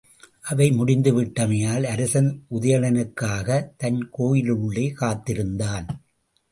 அவை முடிந்துவிட்டமையால் அரசன் உதயணனுக்காகத் தன் கோயிலுள்ளே காத்திருந்தான்.